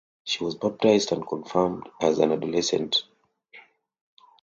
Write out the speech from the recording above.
She was baptized and confirmed as an adolescent.